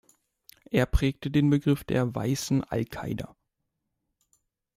Er prägte den Begriff der „Weißen al-Qaida“.